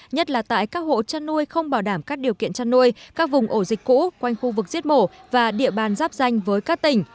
nhất là tại các hộ chăn nuôi không bảo đảm các điều kiện chăn nuôi các vùng ổ dịch cũ quanh khu vực giết mổ và địa bàn giáp danh với các tỉnh